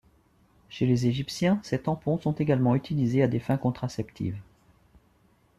Chez les Égyptiens, ces tampons sont également utilisés à des fins contraceptives.